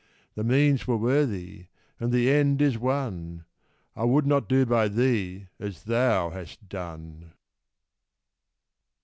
The means were worthy, and the end is won I would not do by thee as thou hast done!